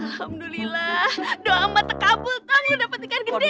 alhamdulillah do'a amat tekabut tong lo dapet ikan gede